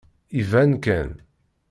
Iban kan.